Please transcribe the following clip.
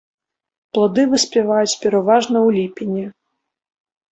Плады выспяваюць пераважна ў ліпені.